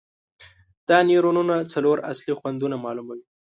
دا نیورونونه څلور اصلي خوندونه معلوموي.